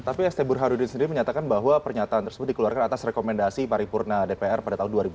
tapi st burhanuddin sendiri menyatakan bahwa pernyataan tersebut dikeluarkan atas rekomendasi paripurna dpr pada tahun dua ribu dua